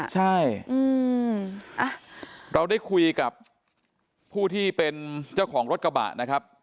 ใช่เราได้คุยกับผู้ที่เป็นเจ้าของรถกระบะนะครับ